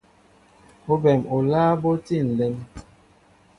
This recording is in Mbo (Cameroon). Óɓem oláá ɓɔ tí nlem.